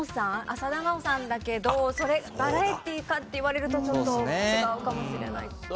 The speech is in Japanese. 浅田真央さんだけどバラエティーかっていわれるとちょっと違うかもしれない。